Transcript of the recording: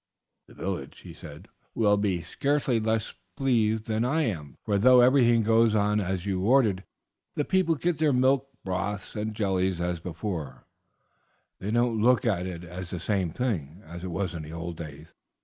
"The village," he said, "will be scarcely less pleased than I am, for though everything goes on as you ordered, and the people get their milk, broths, and jellies as before, they don't look at it as the same thing as it was in the old days.